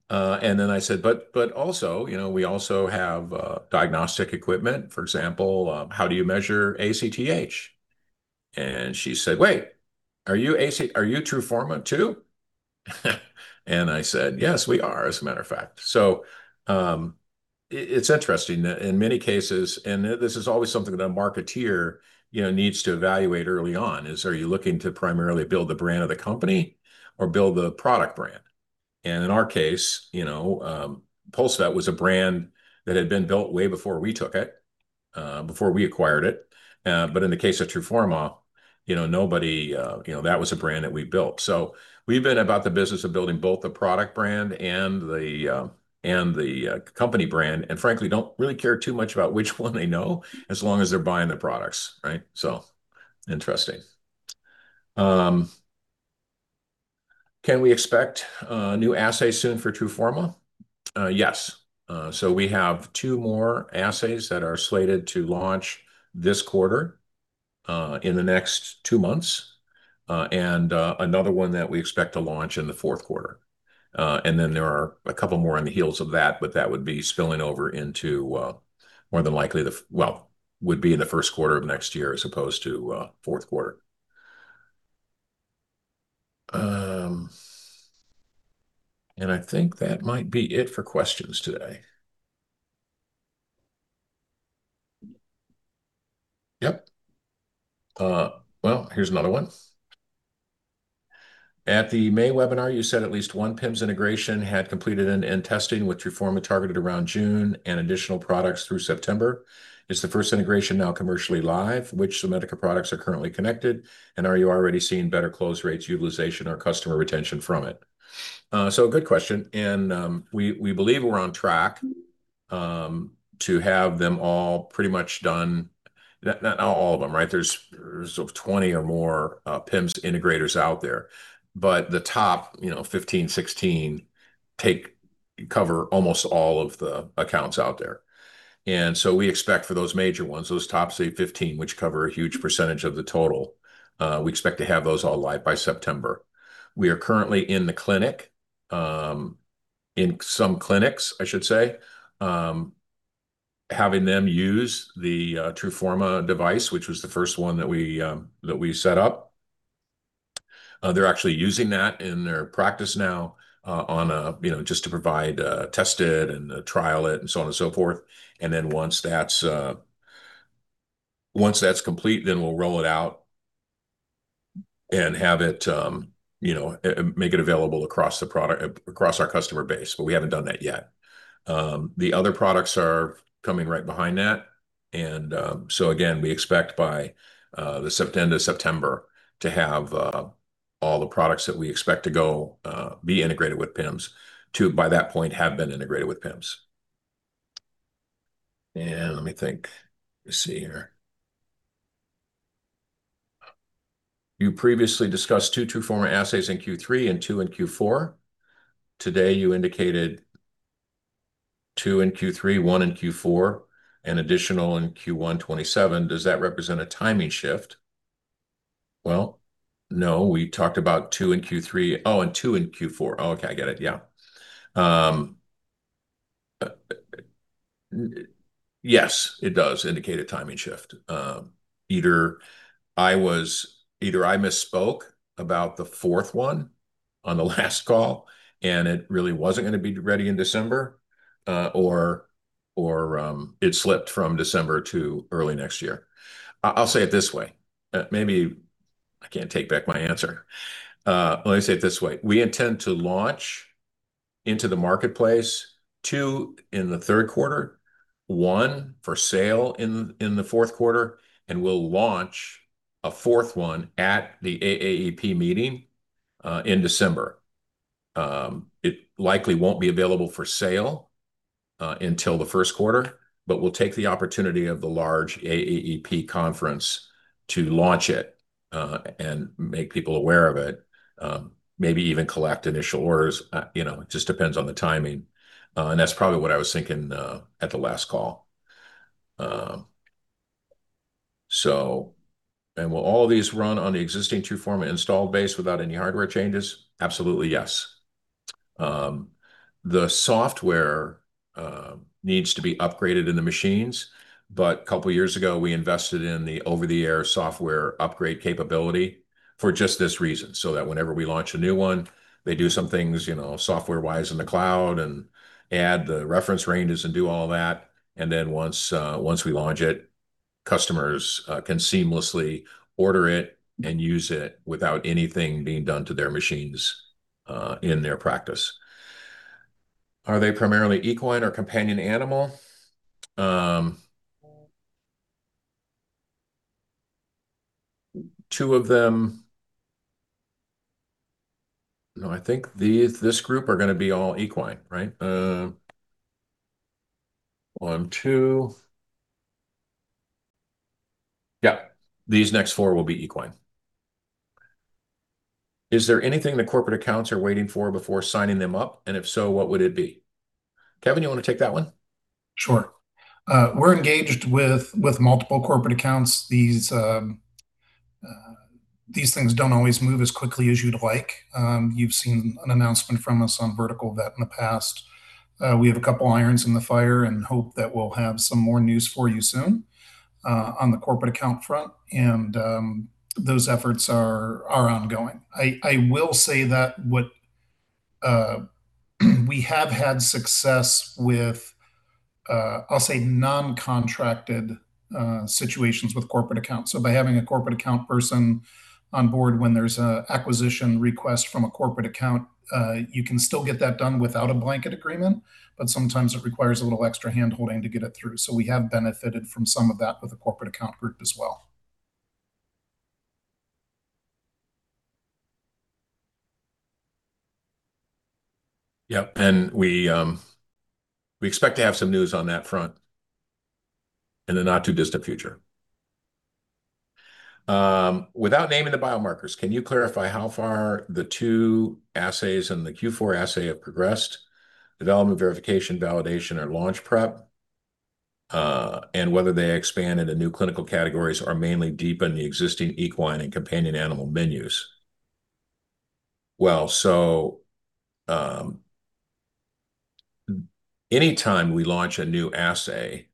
I said, "But also, we also have diagnostic equipment. For example, how do you measure ACTH?" She said, "Wait, are you TRUFORMA too?" I said, "Yes, we are, as a matter of fact." It's interesting that in many cases, and this is always something that a marketeer needs to evaluate early on is, are you looking to primarily build the brand of the company or build the product brand? In our case, PulseVet was a brand that had been built way before we took it Before we acquired it. But in the case of TRUFORMA, that was a brand that we built. We've been about the business of building both the product brand and the company brand, and frankly, don't really care too much about which one they know as long as they're buying the products. Right? Interesting. Can we expect a new assay soon for TRUFORMA? Yes. We have two more assays that are slated to launch this quarter in the next two months, and another one that we expect to launch in the fourth quarter. There are a couple more on the heels of that, but that would be spilling over into, more than likely, would be in the first quarter of next year as opposed to fourth quarter. I think that might be it for questions today. Yep. Here's another one. At the May webinar, you said at least one PIMS integration had completed an end testing with TRUFORMA targeted around June and additional products through September. Is the first integration now commercially live? Which Zomedica products are currently connected, and are you already seeing better close rates, utilization, or customer retention from it? Good question. We believe we're on track to have them all pretty much done. Not all of them, right? There's 20 or more PIMS integrators out there. But the top 15, 16 cover almost all of the accounts out there. We expect for those major ones, those top, say, 15, which cover a huge percentage of the total, we expect to have those all live by September. We are currently in the clinic, in some clinics, I should say, having them use the TRUFORMA device, which was the first one that we set up. They're actually using that in their practice now just to provide, test it and trial it and so on and so forth. Then once that's complete, then we'll roll it out and make it available across our customer base. But we haven't done that yet. The other products are coming right behind that. So again, we expect by the end of September to have all the products that we expect to be integrated with PIMS to, by that point, have been integrated with PIMS. Let me think. Let's see here. You previously discussed two TRUFORMA assays in Q3 and two in Q4. Today, you indicated two in Q3, one in Q4, and additional in Q1 2027. Does that represent a timing shift? No. We talked about two in Q3, oh, and two in Q4. Okay, I get it. Yes, it does indicate a timing shift. Either I misspoke about the fourth one on the last call, and it really wasn't going to be ready in December or it slipped from December to early next year. I'll say it this way. I can't take back my answer. Let me say it this way. We intend to launch into the marketplace two in the third quarter, one for sale in the fourth quarter, and we'll launch a fourth one at the AAEP meeting in December. It likely won't be available for sale until the first quarter, but we'll take the opportunity of the large AAEP conference to launch it and make people aware of it. Maybe even collect initial orders, just depends on the timing. That's probably what I was thinking at the last call. Will all of these run on the existing TRUFORMA installed base without any hardware changes? Absolutely, yes. The software needs to be upgraded in the machines, but a couple years ago, we invested in the over-the-air software upgrade capability for just this reason, so that whenever we launch a new one, they do some things software-wise in the cloud and add the reference ranges and do all that. Then once we launch it, customers can seamlessly order it and use it without anything being done to their machines in their practice. Are they primarily equine or companion animal? Two of them. No, I think this group are going to be all equine, right? One, two. Yeah. These next four will be equine. Is there anything the corporate accounts are waiting for before signing them up? If so, what would it be? Kevin, you want to take that one? Sure. We're engaged with multiple corporate accounts. These things don't always move as quickly as you'd like. You've seen an announcement from us on Vertical Vet that in the past we have a couple irons in the fire and hope that we'll have some more news for you soon on the corporate account front. Those efforts are ongoing. I will say that what we have had success with, I'll say, non-contracted situations with corporate accounts. By having a corporate account person on board when there's an acquisition request from a corporate account, you can still get that done without a blanket agreement, but sometimes it requires a little extra hand-holding to get it through. We have benefited from some of that with the corporate account group as well. Yep. We expect to have some news on that front in the not too distant future. "Without naming the biomarkers, can you clarify how far the two assays and the Q4 assay have progressed, development, verification, validation, or launch prep? Whether they expand into new clinical categories or mainly deepen the existing equine and companion animal menus?" Anytime we launch a new assay,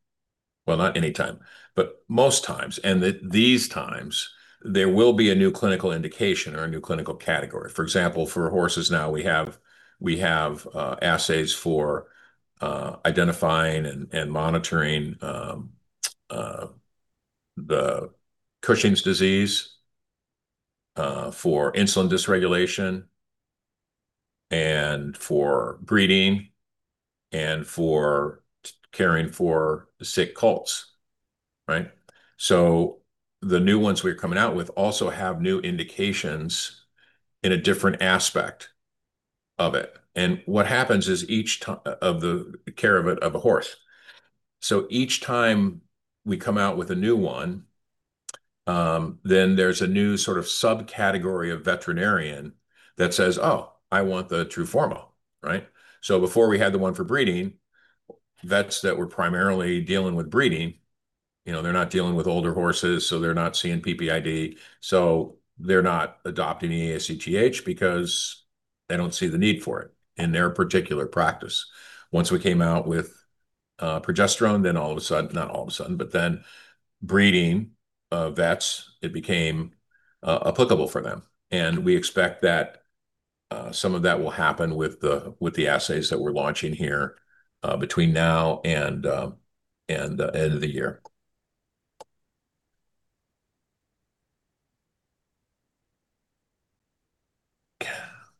well, not anytime, but most times and these times, there will be a new clinical indication or a new clinical category. For example, for horses now we have assays for identifying and monitoring the Cushing's disease, for insulin dysregulation, and for breeding, and for caring for sick colts. Right? The new ones we're coming out with also have new indications in a different aspect of it. What happens is of the care of a horse. Each time we come out with a new one, there's a new sort of subcategory of veterinarian that says, "Oh, I want the TRUFORMA." Right? Before we had the one for breeding, vets that were primarily dealing with breeding, they're not dealing with older horses, so they're not seeing PPID, so they're not adopting eACTH because they don't see the need for it in their particular practice. Once we came out with progesterone, all of a sudden, not all of a sudden, but breeding vets, it became applicable for them. We expect that some of that will happen with the assays that we're launching here between now and the end of the year.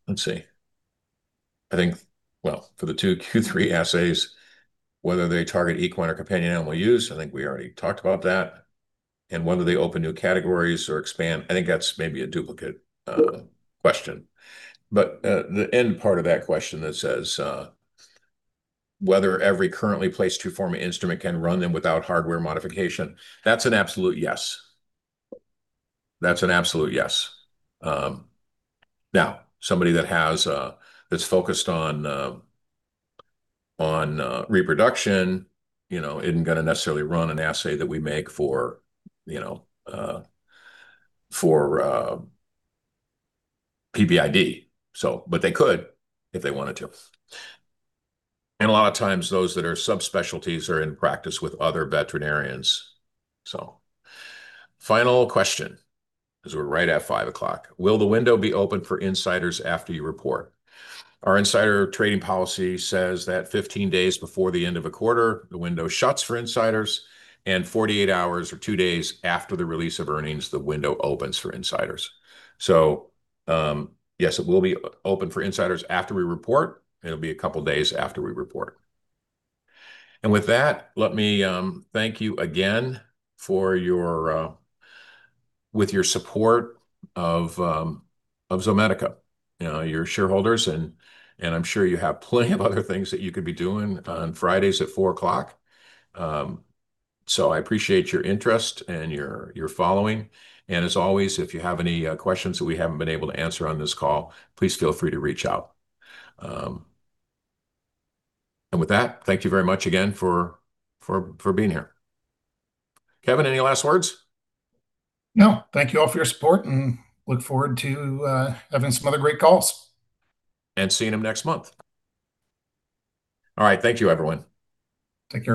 Let's see. For the two Q3 assays, whether they target equine or companion animal use, I think we already talked about that whether they open new categories or expand, I think that's maybe a duplicate question. The end part of that question that says, "Whether every currently placed TRUFORMA instrument can run them without hardware modification?" That's an absolute yes. Now, somebody that's focused on reproduction isn't going to necessarily run an assay that we make for PPID. They could if they wanted to. A lot of times, those that are subspecialties are in practice with other veterinarians. Final question, because we're right at 5:00. Will the window be open for insiders after you report?" Our insider trading policy says that 15 days before the end of a quarter, the window shuts for insiders, and 48 hours or two days after the release of earnings, the window opens for insiders. Yes, it will be open for insiders after we report, and it'll be a couple of days after we report. With that, let me thank you again with your support of Zomedica. You're shareholders, and I'm sure you have plenty of other things that you could be doing on Fridays at 4:00. I appreciate your interest and your following. As always, if you have any questions that we haven't been able to answer on this call, please feel free to reach out. With that, thank you very much again for being here. Kevin, any last words? No. Thank you all for your support, look forward to having some other great calls. Seeing them next month. All right. Thank you, everyone. Thank you